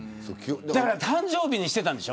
だから誕生日にしてたんでしょ。